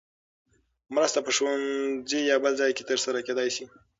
مرسته په ښوونځي یا بل ځای کې ترسره کېدای شي.